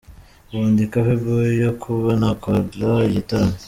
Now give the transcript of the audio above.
Ubu ndi capable yo kuba nakora igitaramo.